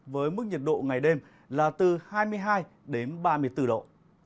với mức nhiệt độ ngày đêm là từ hai mươi hai đến ba mươi bốn độ